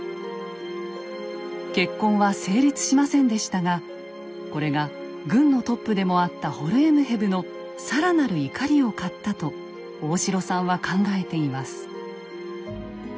結婚は成立しませんでしたがこれが軍のトップでもあったホルエムヘブの更なる怒りを買ったと大城さんは考えています。